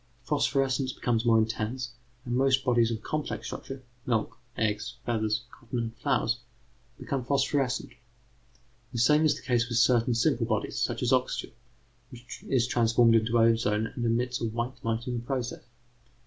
Phosphorescence becomes more intense, and most bodies of complex structure milk, eggs, feathers, cotton, and flowers become phosphorescent. The same is the case with certain simple bodies, such as oxygen, which is transformed into ozone and emits a white light in the process.